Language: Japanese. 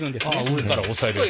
上から押さえるやつ。